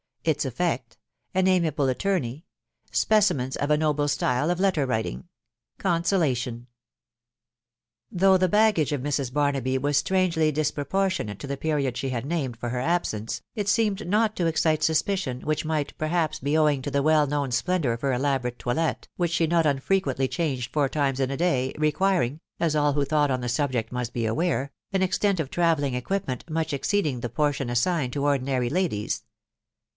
JTS EFFECT.— AN AM^?M ATT^ KEY. SPECIMENS OF A NOBLE STYLE OF LETTER WRITIKQ. — CON SOLATION. Though the baggage of Mrs. Baxnaby wan strangely, proportionate to the period she had nw»ed Cor hejr ehssjftBjL ft ZHI WJDOW SJJAKABY* $39 seemed not to excite suspicion, which, might, perhaps, be .owing to the well known splendour of her elaborate toilet, which she not unfrequentry changed four times in a day, requiring — as all who thought on the subject must be aware —an extent of travelling equipment much exceeding the portion assigned to ordinary ladies.